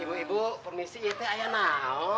ibu ibu permisi ite ayah naon